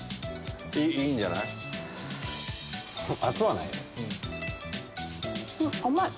いいんじゃない？甘い！